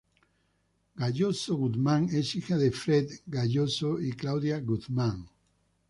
Gayoso Guzmán es hija de Fred Gayoso y Claudia Guzmán.